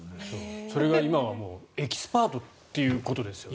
それが今はもうエキスパートということですね。